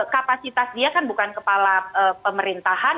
kapasitas dia kan bukan kepala pemerintahan